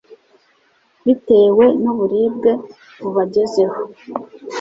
bitewe nuburibwe bubagezeho